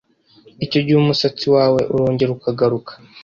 icyo gihe umusatsi wawe urongera ukagaruka